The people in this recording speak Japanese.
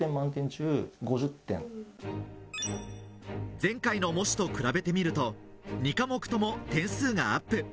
前回の模試と比べてみると２科目とも点数がアップ。